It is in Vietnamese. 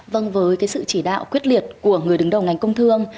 vâng với sự chỉ đạo quyết liệt của người đứng đầu ngành công thương